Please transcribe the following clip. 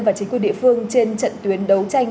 và chính quyền địa phương trên trận tuyến đấu tranh